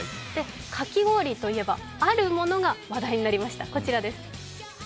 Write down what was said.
かき氷といえばあるものが話題になりました。